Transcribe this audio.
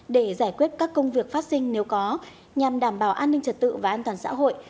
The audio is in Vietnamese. để giải quyết các công việc phát sinh nếu có nhằm đảm bảo an ninh trật tự và an toàn xã hội